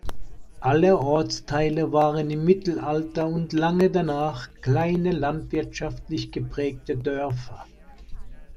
Alle Ortsteile waren im Mittelalter und lange danach kleine landwirtschaftlich geprägte Dörfer.